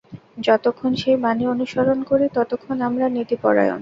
যতক্ষণ সেই বাণী অনুসরণ করি, ততক্ষণই আমরা নীতিপরায়ণ।